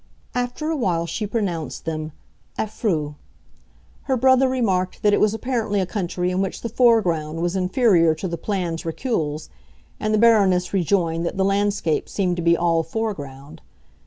After a while she pronounced them affreux. Her brother remarked that it was apparently a country in which the foreground was inferior to the plans reculés; and the Baroness rejoined that the landscape seemed to be all foreground.